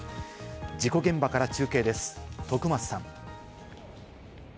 事故現場から中継です、徳増さん。